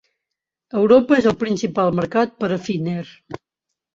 Europa és el principal mercat per a Finnair.